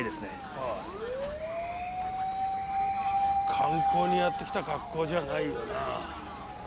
観光にやってきた格好じゃないよなぁ。